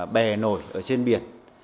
bè nổi ở trên biển